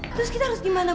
terus kita harus gimana bu